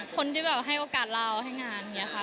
คนที่แบบให้โอกาสเราให้งานอย่างนี้ค่ะ